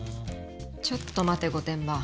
ちょっと待て御殿場。